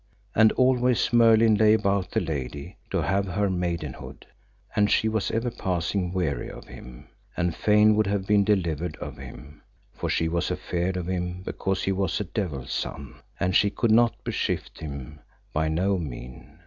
And always Merlin lay about the lady to have her maidenhood, and she was ever passing weary of him, and fain would have been delivered of him, for she was afeard of him because he was a devil's son, and she could not beskift him by no mean.